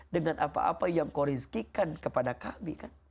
dengan apa apa yang kau rizkikan kepada kami